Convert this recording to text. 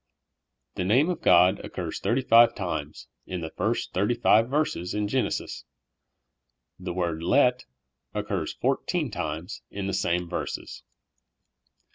THE name of God occurs thirt3' five times in the first thirt3^ five verses in Genesis ; and the word "let " occurs fourteen times in the same verses.